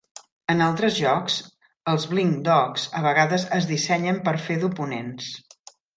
En altres jocs, els blink dogs a vegades es dissenyen per fer d'oponents.